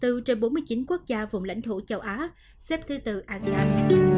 tử vong trên một triệu dân xếp thứ hai mươi bốn trên bốn mươi chín quốc gia vùng lãnh thổ châu á xếp thứ bốn asean